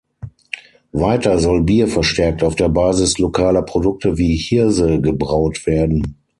Weiter soll Bier verstärkt auf der Basis lokaler Produkte wie Hirse gebraut werden.